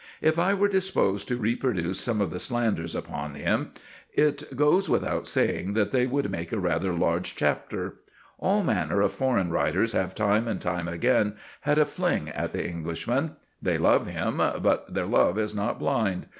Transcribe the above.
If I were disposed to reproduce some of the slanders upon him, it goes without saying that they would make a rather large chapter. All manner of foreign writers have time and time again had a fling at the Englishman. They love him, but their love is not blind.